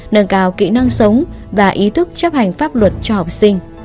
nâng cao kỹ năng sống và ý thức chấp hành pháp luật cho học sinh